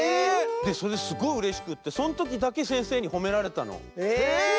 それですごいうれしくってそのときだけせんせいにほめられたの。